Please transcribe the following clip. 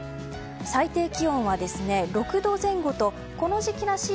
最低気温は６度前後とこの時期らしい